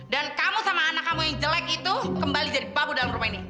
dan kamu sama anak kamu yang jelek itu kembali jadi babu dalam rumah ini